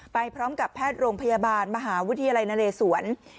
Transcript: ไปพร้อมกับแพทย์โรงพยาบาลมหาวิทยาลัยนเลสวน